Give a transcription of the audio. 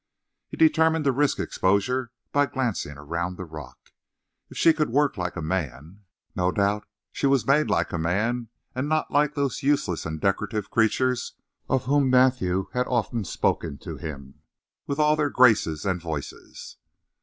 He determined to risk exposure by glancing around the rock. If she could work like a man, no doubt she was made like a man and not like those useless and decorative creatures of whom Matthew had often spoken to him, with all their graces and voices.